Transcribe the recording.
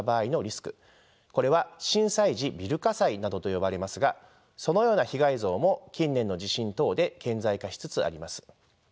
これは震災時ビル火災などと呼ばれますがそのような被害像も近年の地震等で顕在化しつつあります。